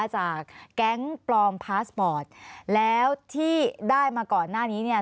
จากแก๊งปลอมพาสปอร์ตแล้วที่ได้มาก่อนหน้านี้เนี่ย